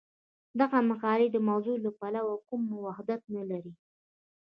دغه مقالې د موضوع له پلوه کوم وحدت نه لري.